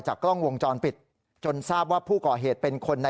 กล้องวงจรปิดจนทราบว่าผู้ก่อเหตุเป็นคนใน